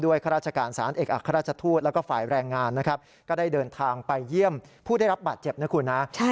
ข้าราชการสารเอกอัครราชทูตแล้วก็ฝ่ายแรงงานนะครับก็ได้เดินทางไปเยี่ยมผู้ได้รับบาดเจ็บนะคุณนะ